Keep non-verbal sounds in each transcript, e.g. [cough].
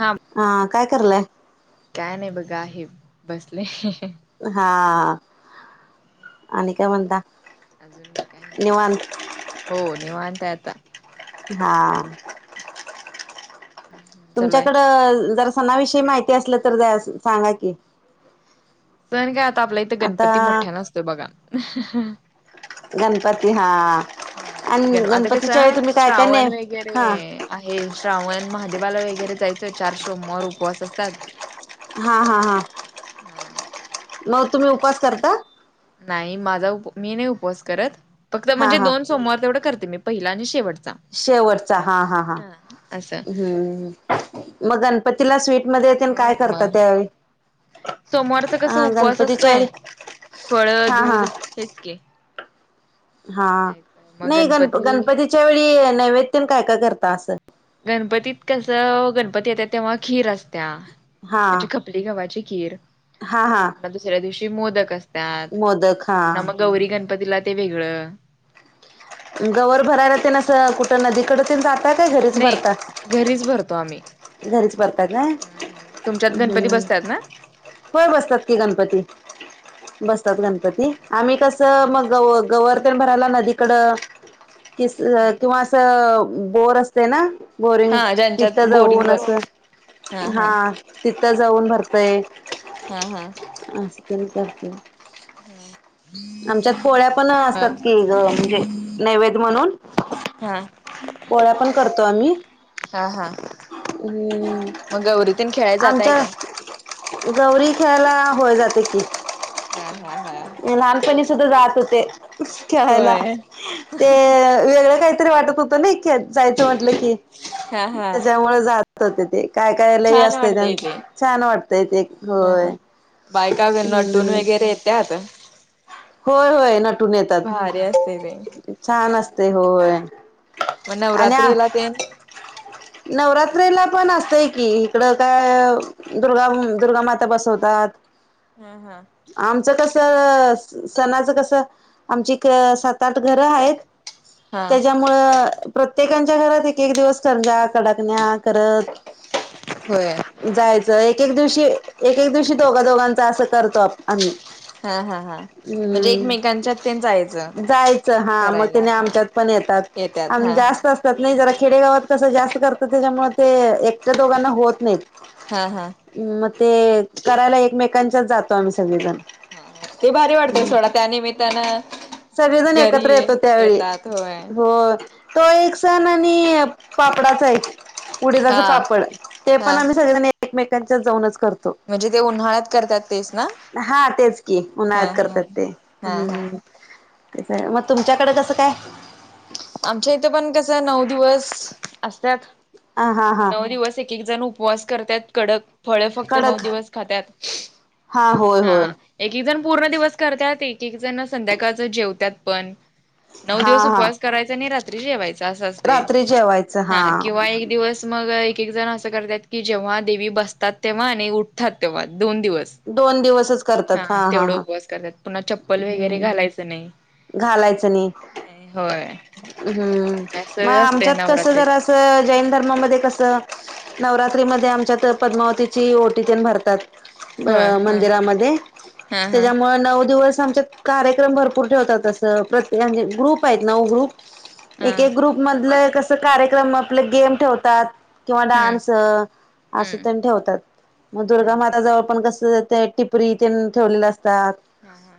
हां. हा काय कारलाय? काय नाही बघा आहे बसले. हा, आणि काय म्हणता. अजून काही नाही बघा. निवांत हो निवांतय आता. बा चालू आहे तुमच्याकड जरा सणाविषयी माहिती असल तर सांगा की. सण काय आता आपल्या इथ आता गणपती मोठ्यान असतोय बघा. गणपती हा हा गण, आणि आता कस गणपतीच्या वेळी तुम्ही काय काय श्रावण नाही वगैरे हा आहे. श्रावण महादेवाला वगैरे जायचय. चार सोमवार उपवास असतात. हा हा हा हा मग तुम्ही उपास करता? नाही माझा उप, मी नाही उपवास करत. फक्त हा म्हणजे हा दोन सोमवार तेवढ करते मी पहिला आणि शेवट. शेवटचा, हा हा हा असं हम्म मग गण पतीला, स्वीटमध्ये येते आणि काय मग करतात मग त्या वेळी. सोमवारच कस उपवास गणपतीच्या वेळी असतोय. फळ, हा हा दूध हेच की हा खायचं मग नाही, गण गणपती गणपतीच्या वेळी नैवेद्यन काय का करता अस. गणपतीत कस गणपती येतात तेव्हा खीर असत्या. हा म्हणजे खप ली, गावाची खीर. हा हा पुन्हा दुसऱ्या दिवशी मोदक असतात. मोदक हा पुन्हा मग गौरी गणपतीला ते वेगळ. गवर भरायला तेन अस कुठ नदीकड ते जाता काय घरीच नाही भरता. घरीच भरतो आम्ही. घरीच भरता का? हम्म हम्म तुमच्यात गणपती हम्म बसतात ना? होय बसतात की गणपती. बसतात गणपती. आम्ही कस हा हा. मग गव गवर तेन भरायला नदीकड किस हम्म किवा अस बोर असते ना, बोरिंग हा तिथ ज्यांच्यात बोरिंग जाऊन वर अस हा, तिथ जाऊन भरतय. हा हा आमच्यात पोळ्या पण असतात हा. कि ग म्हणजे नैवेद्य म्हणून, हा पोळ्या पण करतो आम्ही. हा हा, हम्म म गौरी तेन खेळाय जातय आमच्या का? गौरी खेळायला, होय जाते की. हा हा हा लहानपणी सुद्धा जात होते खेळायला. होय ते वेगळ काहीतरी वाटत होत नही कि आज जायच म्हटल की. हा हा त्याच्यामुळे जात होते ते. काय हा काय लई छान असतय वाटतय त्यांच. ते. छान वाटतय ते. हा होय. बायका नटून हम्म वगैरे येत्याात. होय होय नटून येतात. भारी आसते. छान असते होय. आणि आ नवरात्रीला [inaudible] नवरात्रीला पण असतय की. इकड काय दुर्गा म दुर्गामाता बसवतात. हा हा आमच कस सणाच कस आमची कसात सात घर आहेत. हा त्याच्याम मुळ प्रत्येकच्या घरात एक एक दिवस करंजा, कडाकण्या करत होय. जायच, एक एक दिवशी एक एक दिवशी दोघा दोघांचा अस करतो आप आम्ही. हा हा हा म्हणजे हम्म एकमेकांच्या ते जायचं. जायचं हा मग करायला त्याने हा आमच्यात पण येतात येत्यात आम हा हा जास्त त नाही जरा खेडेगावात कसं जास्त करता, त्याच्यामुळे ते एकट्या दोघांना होत नाहीत. हा हा म ते करायला एकमेकांच्यात जातो आम्ही सगळेजण. हा हा ते भारी वाटते सोडा त्यानिमित्तानं सगळेजण घरी एकत्र येतो त्यावेळी येतात होय हो, तो एक सण आणि पापडाच एक उडीदाच हा पापड ते हा पण आम्ही सगळेजण एकमेकांच्या जाऊनच कर तो, म्हणजे ते उन्हाळ्यात करतात तेच ना हा तेच कि हा उन्हाळ्यात हा करत्यात ते. हा हा कसये म तुमच्याकडे कसं काय? आमच्या इथ पण कसं नऊ दिवस असत्यात. हा हा हा नऊ दिवस एक एक जण उपवास करत्यात कडक. फळ फक्त नऊ कडक दिवस खात्यात. होय हा होय एक एक जण पूर्ण दिवस करत्यात एक एक जण संध्याकाळच जेवत्यात पण. नऊ हा दिवस हा उपवास करायचा आणि रात्री जेवायचं असं असतय, रात्री जेवायचं हा किंवा एक दिवस मग एक एक जण असं करत्यात, की जेव्हा देवी बसतात तेव्हा आणि उठतात तेव्हा दोन दिवस दोन दिवसच हा करतात तेवढ हा उपवास करत्यात पुन्हा चप्पल वगैरे हम्म घालायचं नाही. घालायचं नी नाही होय हम्म हे मग सगळ असते आमच्यात कस नवरात्रीत जरा त जैन धर्मामध्ये कसं? नवरात्रीमध्ये आमच्यात पद्मावतीची ओटी तिनं भरतात. म होय हा मंदिरामध्ये हा हा त्याच्यामुळ नऊ दिवस आमच्यात कार्यक्रम भर पुर ठेवतात अस प्रत्ये म्हणजे ग्रुप आहेत ना हो ग्रुप हा एक एक ग्रुप मधलं कस कार्यक्रम आपल गेम ठेवतात. किंवा हम्म डान्स असं हम्म तेन ठेवतात, मग हा दुर्गामाताजवळ पण कस ते टिपरी तेन ठेवलेल असतात. हा हा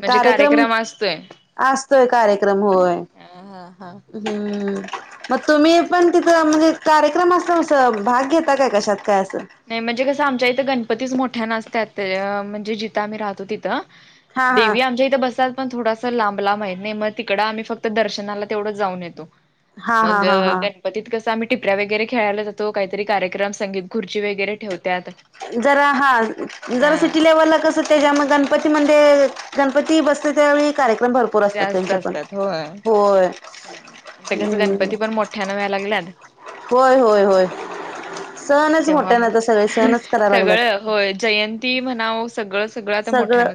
म्हणजे कार्यक्रम असतोय. आसतोय कार्यक्रम होय. आ ह ह हम्म म तुम्ही पण तिथं म्हणजे कार्यक्रम अस भाग घेता का काय? कशात काय? असं नाही म्हणजे कसं आमच्या इथं गणपतीच मोठ्या नसत्यात, म्हणजे जिथं आम्ही राहतो तिथं. हा हा देवी आमच्या इथं बसा पण थोड अस लांब लांब आहे नाही मग तिकडं आम्ही फक्त दर्शनाला तेवढंच जाऊन येतो. हा हा मग हा हा गणपतीत कसं आम्ही टिपऱ्या वगैरे खेळायला जातो काहीतरी कार्यक्रम संगीत खुर ची वगैरे ठेवत्यात. जरा हा जरा हा. सिटी लेवलला कस? त्याच्यामुळे गणपतीमध्ये गणपती बसते त्या वेळी कार्य पण भरपूर असतात जास्त त्यांच्या पण, असतात होय होय हम्म ठ्यान होय लागल्यात. होय होय होय हम्म सणच तेव्हा मोठ्या ना आता सगळे मग सणच करायला लागल्यात सगळं होय जयंती म्हणाव सगळंच. सगळं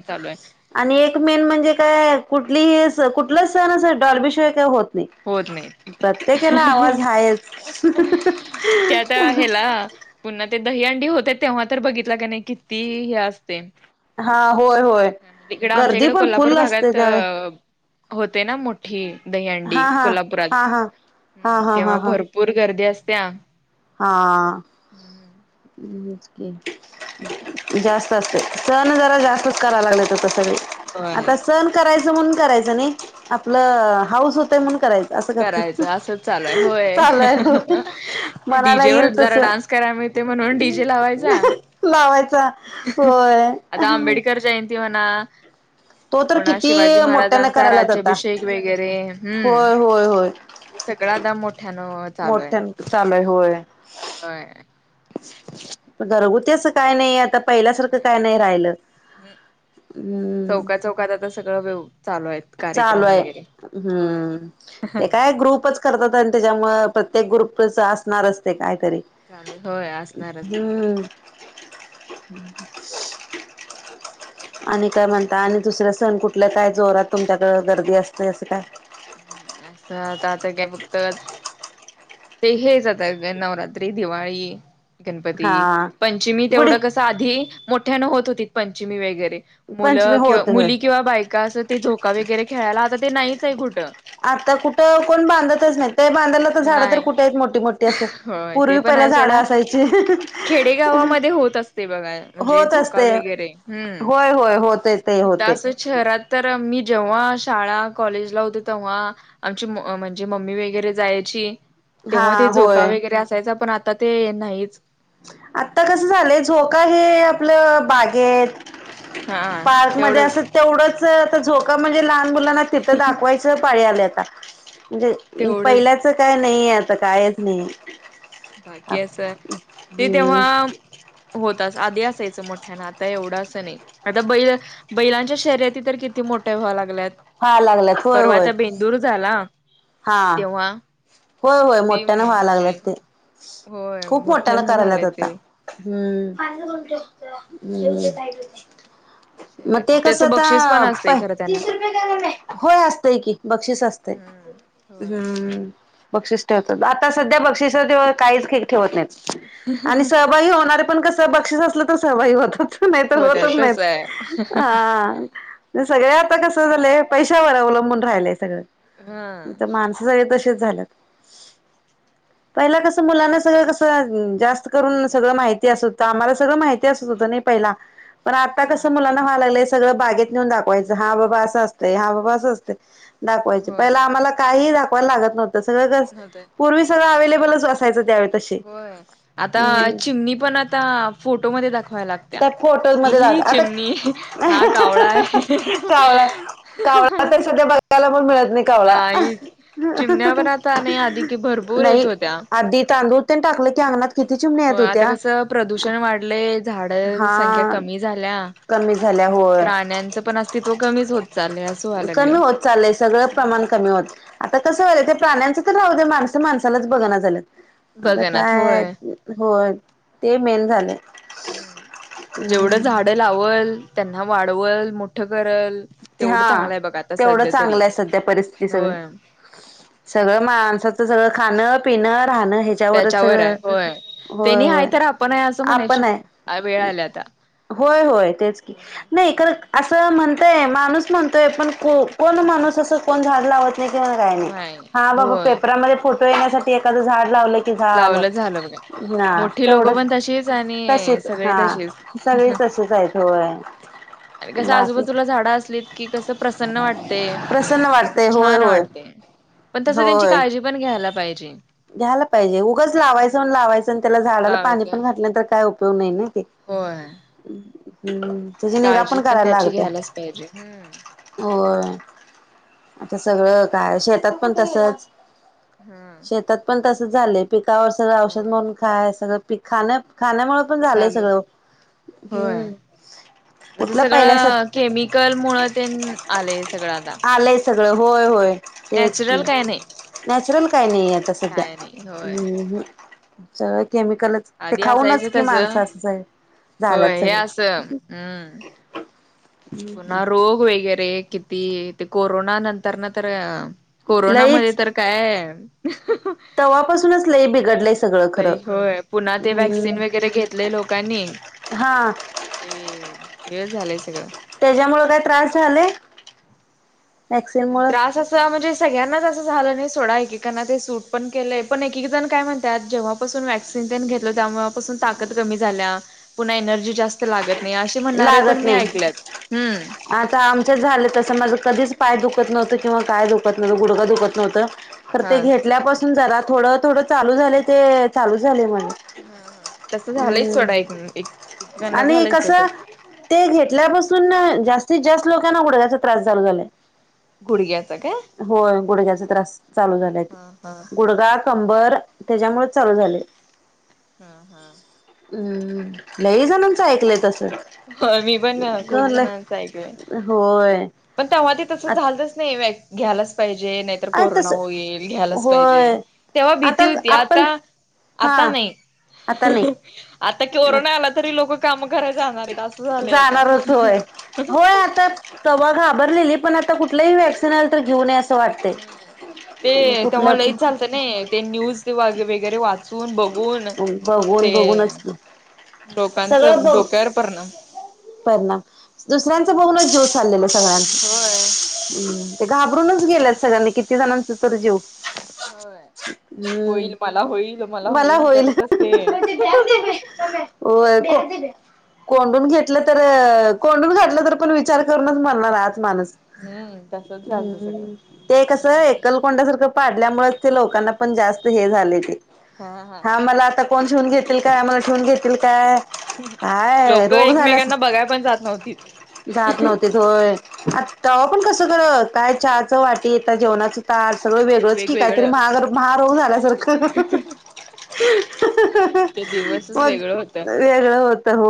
आणि एक मेन म्हणजे काय कुठली स कुठलं सण अस डॉर्बिशिवाय काय होत नाही होत नाहीत. प्रत्येकाला आवाज आहेच. ते आता ह्याला पुन्हा ते दहीहंडी होते तेव्हा तर बघितला का नाही किती हे असते. हा, होय, होय. तिकडं आमच्या गर्दी इकडें पण कोल्हापूर फुल असते भागात त्यावेळी होते ना मोठ ठीक दहिहंडी हा हा कोल्हापुरात हा हा हा हम्म, हा हा तेव्हा हा भरपूर गर्दी असतेय हा. [inaudible] जास्त असते सण जरा जास्तच कराला लागलेत आता सगळे. होय आता सण करायचं म्हणून करायचं नाही आपलं हाऊस होतय म्हणून करायचं. असं करत करायचं असंच चालू आहे, होय. चालू आहे हो मनाला येईल डीजेवर तस जरा डान्स करायला मिळते म्हणून डीजे लावायचा लावायचा होय [inaudible] आता अंबेडकर जयंती म्हणा तो तर पुन्हा किती शिवाजी मोठ्याने महाराजांचा करायलात आता राज्याभिषेक वगैरे, हम्म. होय होय होय. ते सगळं आता मोठ्यान चालू आहे, मोठ्यान चालूय होय होय. घरगुती अस काय नाही आता पहिल्यासारखं काय नाही राहिलं, हम्म हम्म. चौका चौकात सगळं वेवु चालू आहे, होय हम्म, ते काय ग्रुपच करतात आणि त्याच्यामुळ प्रत्येक ग्रुपच असणार असते काहीतरी चालू होय असणारच की हम्म. [inaudible] आणि काय म्हणता आणि दुसरे सण कुठल्या काय जोरात तुमच्याकडं गर्दी असते असं काय? असंता आता काय बघत ते हेच आता नवरात्री, दिवाळी गणपती, हा पंचमी गुढी तेवढं कसं आधी मोठ्यानं होत होती पंचमी वगैरे पंचमी मुलं किंवा होत होय मुली किंवा बायका असं ते झोका वगैरे खेळायला आता ते नाहीच आहे कुठं. आता कुठं कोण बांधतच नाही ते बांधायला आता झाड तर नाही कुठे आहेत मोठी, मोठी असं होय ते पूर्वी पण पहिला आहे झाड सोडा असायची. खेडेगावामध्ये होत असते बघा म्हणजे होत झोका असते, वगैरे हम्म होय, होय होते ते इथं होते. असं शहरात तर मी जेव्हा शाळा कॉलेजला होते तेव्हा आमची म म्हणजे मम्मी वगैरे जाय ची तेव्हा हा ते झोका होय वगैरे असायचा पण आता ते नाहीच. आता कसं झालंय झोका हे आपलं बागेत हा पार्क मध्ये तेवढंच असत तेवढंच आता झोका म्हणजे ला मुना तिथं दाखवाच पाळी आली आता तेवढंच पहिल्या कुठ काय नाहीे आता कायच नाही. बाकी असं ते हम्म तेव्हा होतच आधी असायचं मोठ्या ना आता एवढं असं नाही. आता बैल बैलांच्या शर्यती तर किती मोठ्या व्हावा लागल्यात. हा लागल्यात होय पर्वा होय आता बेंदूर झाला. हा तेव्हा होय, होय किती मोठ्यानं व्हाव म्हणजे लागलात ते. होय खूप मोठ्या न मोठ्यान करायलात झालंय ते आता. हम्म, [unintelligible] मग शर्यत ते कसं त्याचं बक्षीस पण आता असतय पाय खरं त्यांना तीस रुपये काय ला लागता? होय असतंय की बक्षीस असतंय. हम्म होय हम्म, बक्षीस ठेवतात आता सध्या बक्षिस काहीच ठेवत नाहीत. आणि सहभागी होणारे पण कसं बक्षीस असलं तर सहभागी होतात. नाही तर हो त्या होतंच नाहीत तस आहे हा. म्हणजे सगळे आता कसं झालंय पैशावर अवलंबून राहिलंय सगळं. हा नाहीतर माणसं सगळी तशीचं झाल्यात. पहिला कसं मुलांना सगळं कसं जास्त करून सगळं माहिती असत हुतं, आम्हाला सगळं माहिती असतं हुतं नाही पहिला. पण आता हा कसं मुलांना व्हा लागलंय सगळं बागेत नेऊन दाखवायचं, हा बाबा असं असतंय हा बाबा असं असतंय. दाखवायचं होय पहिला आम्हाला काही दाखवायला लागत नव्हतं सगळं कस होतय पुर्वीच सगळं अवेलेबलच असायचं त्यावेळी. तसे होय, आता हम्म चिमणी पण आता फोटोमध्ये दाखवाय लागत्या. कि फोटोमध्ये ही दाखवा.. आता चिमणी हा कावळा आहे कावळा कावळा तर सध्या बघा यला पण मिळत नाही कावळा. नाही चिमण्या पण आता नाही आधी की भरपूर येत नाही होत्या अधी तांदुळ तेन टाकलं की अंगणात किती चिमण्या येत होय आता होत्या कसं प्रदूषण वाढलंय झाडं संख्या हा कमी झाल्या. कमी झाल्या होय प्राण्यांचं पण अस्तित्व कमीच होत चालयं असं व्हा लागलय, कमी होत चाललंय सगळं प्रमाण हम्म. कमी होत आता कसं व्हालंय ते प्राण्यांचं तर राहू दे माणसं माणसालाच बघणा झाल्यात. आता बघनात काय होय. हो ते मेन झालं. हम्म. लावंल, त्यांना वाढवल, मोठं करंल. हा तेवढं चांगलं आहे सध्या परिस्थिती सगळी. होय सगळं माणसाचं सगळं खाणं पिणं राहणं हे त्याच्यावर आहे होय, त्यांनी आहे तर आपण आहे असं म्हणायची आपण आहे वेळ आल्या आता. होय होय तेच की नाही खरं हा. असं म्हण तय माणूस म्हणतंय पण को कोण माणूस असं कोण झाडं लावत नाही किंवा काय नाही, हा बाबा पेपरामध्ये फोटो येण्यासाठी एखादं झाड लावलं लावलं झालं बघा. हा मोठी लोकं तेवढंच पण तशीच आणि तसेच सगळे हा सगळी तशीच. तसेच आहेत होय आणि कसं बाकी आजूबाजूला झाडं असलीत की कसं प्रसन्न वाटतंय, प्रसन्न वाटतय होय छान होय वाटतंय पण तसं त्यांची होय काळजी पण घ्यायला पाहिजे. घ्यायला पाहिजे उगंच हम्म लावायचं म्हणुन लावायचं आणि त्याला झाडाला पाणी लावायचं पण घातलं नाहीतर काय उपयोग नाही नी. होय हम्म तेजी निगा काळजी पण करायला त्याची लागत्या. घ्यायलाच पाहिजे हम्म होय, आता सगळं काय शेतात पण तसंच. हम्म. शेतात पण तसंच झालंय, पिकावर सगळं औषध होय मारुन खाय सगळं पीक खाण्या खाण्यामुळं चालुयं होय. जसं कुठलं सगळं पहिल्यासारख केमिकल मुळं तेन आलंय सगळं आता. आलंय सगळं होय होय तेच की, नॅचरल काय नाही नॅचरल काय नाही यात आता सध्या काय नाही अ होय हम्म, सगळं केमिकलचं. ते आधी खाऊनच असायचं कि तस माणसं असं स झाल्यात होय हे असं सगळी. हम्म पुन्हा रोग वगैरे किती! ते कोरोना नंतर न तर अ कोरोनामुळे लईच तर काय तव्हापासूनच लय बिघडलं स लय होय पुन्हा ते व्हॅक्सिन वगैरे घेतलंय लोकांनी हा ते हे झालंय सगळं, त्याच्यामुळे काय त्रास झाले? वॅक्सिन मुळ त्रास असं स म्हणजे सगळ्यांनाच असं झालं नाही सोडा एकेकांना ते सूट पण केलंय पण एकेक जण काय म्हणत्यात जेव्हा पासून वॅक्सिन तेण घेतलो त्यामुळे तेवा पासून ताकत कमी झालीया पुन्हा एनर्जी जास्त, लागत नाही असे म्हणणारे पण लागत मी नाही ऐकल्यात. आता आमच्याच झालं तसं माझं कधीच पाय दुखत नव्हतं किंवा काय दुखत नव्हतं गुडगं दुखत नव्हतं, तर हा ते घेतल्यापासून जरा थोडं थोडं चालू झालंय ते चालू झालंय माझं. ह्म हा तसं झालंयच सोडा एक एक गणना आणि झालंयच कसं तसं. ते घेतल्यापासून जास्तीत जास्त लोकांना ग गुडघ्याचा त्रास चालू झालाय. गुडघ्याच काय होय गुडघ्याचा त्रास चालू झाल्याती हा हा गुडगा कंबर त्याच्यामुळेच चालू झालंय. हा हा हम्म लहीजणांचं ऐकलंय तसं. हो मी पण खूप जणांच झालंय ऐकलंय. होय. पण तेव्हा ते तसं आत झालंतच ने व्या घ्यायलाच पाहिजे नाही तर अ कोरोना तस होईल घ्यायलाच पाहिजे होय तेव्हा भीती आता होती आता? आपण आता हा नाही. आता नाही. आता कोरोना आला तरी लोक काम कराय जाणार आहीत असं झालंय आता. जाणारच होय. होय आता तवा घाबरलेलीत पण आता कुठलीही वॅक्सिन आलं तर घेऊ न हम्म ते तेव्हा लईच झालतं ने ते न्यूज वगैरे वाचून बघून, बघून ते बघूनच की. लोकांच डोक्यावर परिणाम. परिणाम दुसऱ्यांच बघूनचं जिव चाललेलं सगळ्यांसनी, होय हम्म ते घाबरूनच गेल्यात सगळ्यांनी किती जणांचा तरी जीव, होय. होईल हम्म मला होईल मला होईल करतच ते, होय को कोंडून घेतलं तर कोंडून घातलं तर पण विचार करूनच मरणार आत माणूस. हम. हम्म ते कसं एकलकोंड्या सारखं पाडल्यामुळचं ते लोकांना पण जास्त हे झालंय ते, हा मला आता कोण शिवून घेतील काय मला शिवून घेतील काय, काय लोक रोग झाल्यास एकमेकांना बघाय पण जात नव्हतीत. जात नव्हतीत. होय आ तवा पण कसं खरं काय चहाचं वाटी येता जेवणाच ताट सगळ वेगळंच की काहीतरी वेगवेगळं महागार महारोग झाल्यासारखं. ते दिवसच मग वेगळं होतं. वेगळं होत हो.